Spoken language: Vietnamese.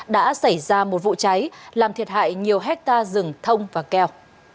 đã xảy ra một vụ cháy làm thiệt hại nhiều hectare rừng thông và keo